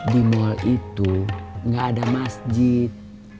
di mall itu nggak ada masjid